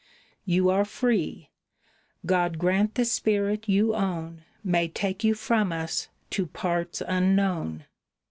You are free! God grant the spirit you own May take you from us to parts unknown."